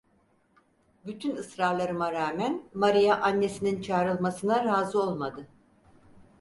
Bütün ısrarlarıma rağmen Maria annesinin çağrılmasına razı olmadı.